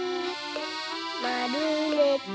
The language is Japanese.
まるめて。